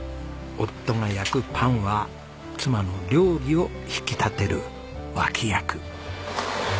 夫が焼くパンは妻の料理を引き立てる脇役。